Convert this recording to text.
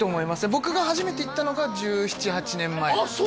僕が初めて行ったのが１７１８年前なのであっ